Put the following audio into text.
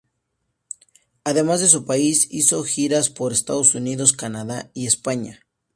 Además de su país, hizo giras por Estados Unidos, Canadá y España.